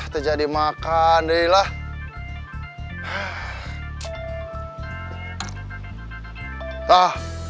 terjadi makan dirilah